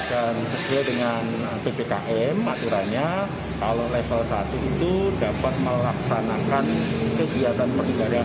dan sesuai dengan ppkm aturannya kalau level satu itu dapat melaksanakan kegiatan peringkatan